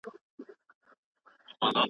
د قلندر د ارماني ژوندون علاجه مرګه